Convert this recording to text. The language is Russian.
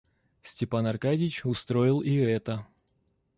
Степан Аркадьич устроил и это.